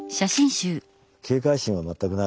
警戒心が全くない。